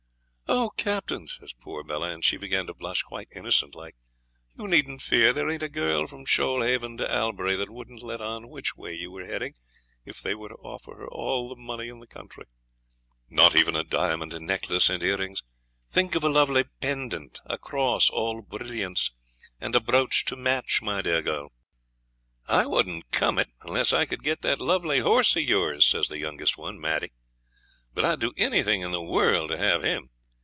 'Oh! Captain,' says poor Bella, and she began to blush quite innocent like, 'you needn't fear; there ain't a girl from Shoalhaven to Albury that would let on which way you were heading, if they were to offer her all the money in the country.' 'Not even a diamond necklace and earrings? Think of a lovely pendant, a cross all brilliants, and a brooch to match, my dear girl.' 'I wouldn't "come it", unless I could get that lovely horse of yours,' says the youngest one, Maddie; 'but I'd do anything in the world to have him.